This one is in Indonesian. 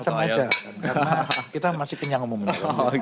karena kita masih kenyang umumnya